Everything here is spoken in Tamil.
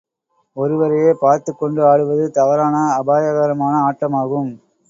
ஒருவரையே பார்த்துக்கொண்டு ஆடுவது தவறான, அபாயகரமான ஆட்டமாகும்.